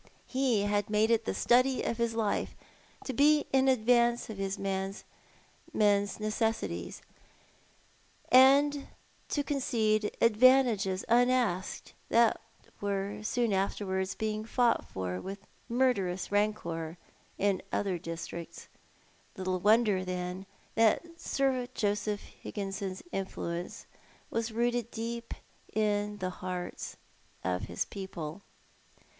He had made it the study of his life to be in atlvance of his men's necessities, and to concede advantages unasked that were soon afterwards being fought for with murderous rancour in other districts. Little wonder, then, that Sir Joseph Hig ginson's influence was rooted deep in the hearts of his people.